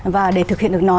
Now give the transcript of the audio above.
và để thực hiện được nó